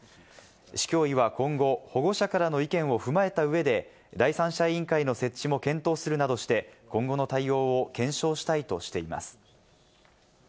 市教委は今後、保護者からの意見を踏まえた上で第三者委員会の設置も検討するなどして、今後の対応を検証したいとしています。